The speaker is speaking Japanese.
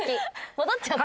戻っちゃった。